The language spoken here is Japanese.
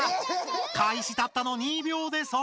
開始たったの２秒でそっ